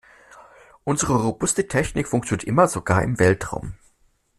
Unsere robuste Technik funktioniert immer, sogar im Weltraum.